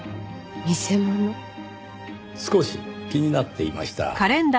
少し気になっていました。